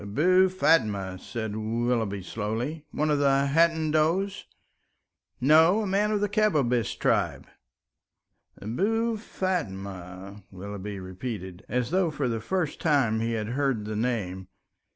"Abou Fatma," said Willoughby, slowly, "one of the Hadendoas?" "No, a man of the Kabbabish tribe." "Abou Fatma?" Willoughby repeated, as though for the first time he had heard the name.